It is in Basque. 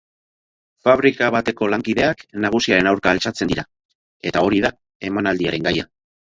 Fabrika bateko lankideak nagusiaren aurka altxatzen dira eta hori da emanaldiaren gaia.